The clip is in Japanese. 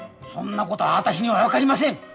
そんなこと私には分かりません！